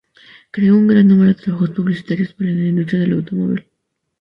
Creó un gran número de trabajos publicitarios para la industria del automóvil.